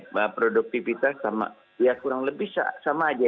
bahwa produktivitas sama ya kurang lebih sama aja